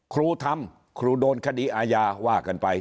ครูทำครูโดนคดีอาญาว่ากันไป